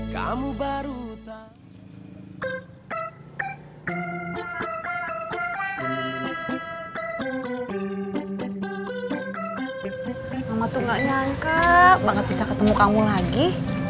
mama tuh tidak nyangka mbak nggak bisa ketemu kamu lagi